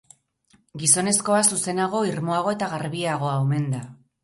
Gizonezkoa zuzenagoa, irmoagoa eta garbiagoa omen da.